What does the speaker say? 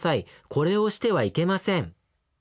『これをしてはいけません』。